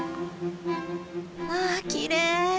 わあきれい！